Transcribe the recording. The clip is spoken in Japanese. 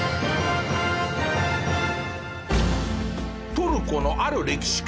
トルコのある歴史家。